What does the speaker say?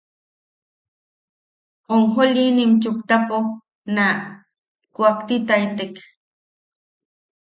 Onjolinim chuktapo naa kuaktitaitek.